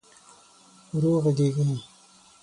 ورو ږغېږه !